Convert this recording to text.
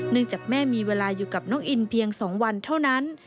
จากแม่มีเวลาอยู่กับน้องอินเพียง๒วันเท่านั้น